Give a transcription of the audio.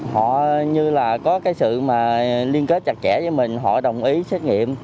họ như là có cái sự mà liên kết chặt chẽ với mình họ đồng ý xét nghiệm